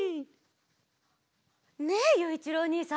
ねえゆういちろうおにいさん！